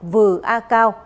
vừ a cao